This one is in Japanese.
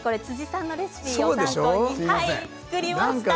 辻さんのレシピを参考に作りました。